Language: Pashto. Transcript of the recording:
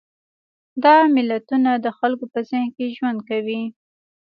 دا ملتونه د خلکو په ذهن کې ژوند کوي.